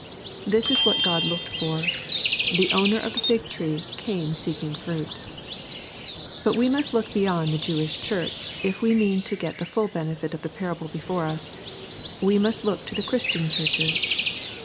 This is what God looked for. The owner of the fig tree " came seeking fruit." But we must look beyond the Jewish Church if we mean to get the full benefit of the parable before us^ — We must look to the Christian churches.